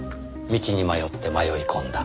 道に迷って迷い込んだ。